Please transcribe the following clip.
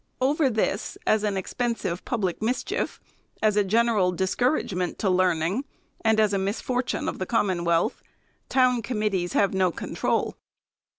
Over this, as an expensive pub lic mischief, as a general discouragement to learning, and as a misfortune of the Commonwealth, town committees have no control.